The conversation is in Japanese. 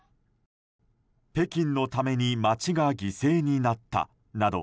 北京のために街が犠牲になったなど